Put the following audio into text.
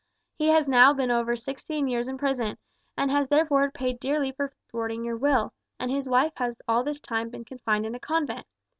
He has now been over sixteen years in prison, and has therefore paid dearly for thwarting your will, and his wife has all this time been confined in a convent.